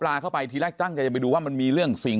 แล้วไปปล่อยทิ้งเอาไว้จนเด็กเนี่ย